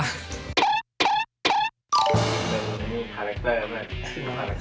นี่คาแรคเตอร์มั้ย